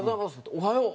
「おはよう」